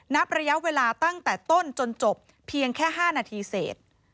นับระยะเวลาตั้งแต่ต้นจนจบเพียงแค่๕นาทีเสร็จ